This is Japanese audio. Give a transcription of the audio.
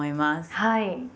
はい。